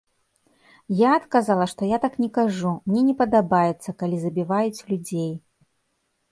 Я адказала, што я так не кажу, мне не падабаецца, калі забіваюць людзей.